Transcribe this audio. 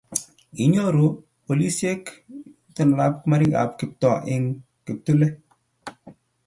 kinyoru polisiek itondab morikab Kiptoo eng kiptule